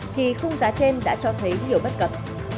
thì khung giá trên đã cho thấy nhiều bất cập